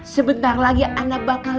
sebentar lagi ana bakal